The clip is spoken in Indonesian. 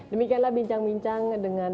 demikianlah bincang bincang dengan